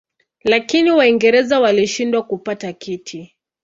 Lakini Waingereza walishindwa kupata kiti.